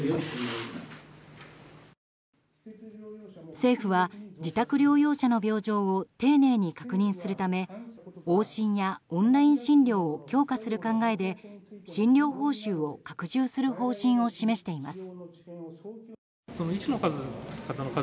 政府は自宅療養者の病状を丁寧に確認するため往診やオンライン診療を強化する考えで診療報酬を拡充する方針を示しています。